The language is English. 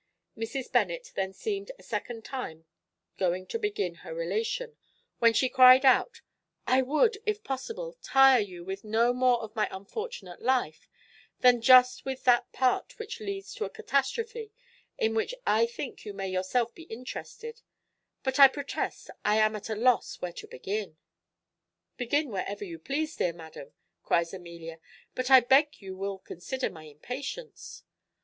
Mrs. Bennet then seemed a second time going to begin her relation, when she cried out, "I would, if possible, tire you with no more of my unfortunate life than just with that part which leads to a catastrophe in which I think you may yourself be interested; but I protest I am at a loss where to begin." "Begin wherever you please, dear madam," cries Amelia; "but I beg you will consider my impatience."